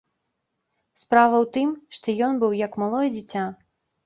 Справа ў тым, што ён быў як малое дзіця.